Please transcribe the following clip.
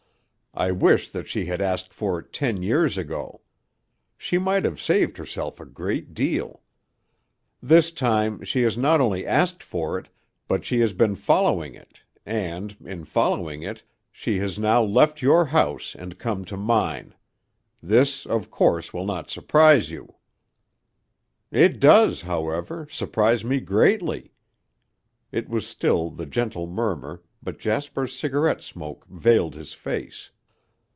I wish that she had asked for it ten years ago. She might have saved herself a great deal. This time she has not only asked for it, but she has been following it, and, in following it, she has now left your house and come to mine. This, of course, will not surprise you." "It does, however, surprise me greatly." It was still the gentle murmur, but Jasper's cigarette smoke veiled his face.